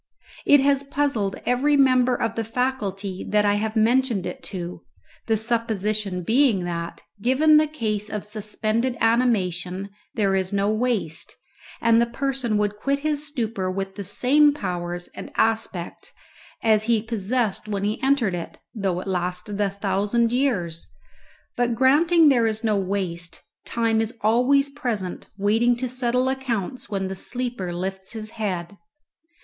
It has puzzled every member of the faculty that I have mentioned it to, the supposition being that, given the case of suspended animation, there is no waste, and the person would quit his stupor with the same powers and aspect as he possessed when he entered it, though it lasted a thousand years. But granting there is no waste, Time is always present waiting to settle accounts when the sleeper lifts his head.